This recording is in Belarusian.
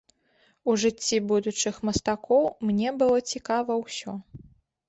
У жыцці будучых мастакоў мне было цікава ўсё.